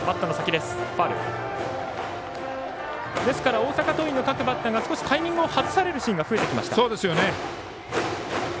大阪桐蔭の各バッターが少しタイミングを外されるシーンが増えてきました。